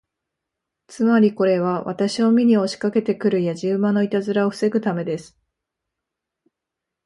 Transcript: つまり、これは私を見に押しかけて来るやじ馬のいたずらを防ぐためです。